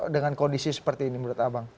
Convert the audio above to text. dengan kondisi seperti ini menurut abang